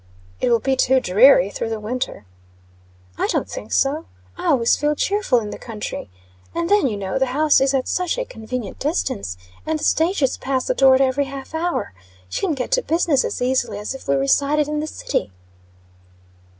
"It will be too dreary through the winter." "I don't think so. I always feel cheerful in the country. And, then, you know, the house is at such a convenient distance, and the stages pass the door at every half hour. You can get to business as easily as if we resided in the city."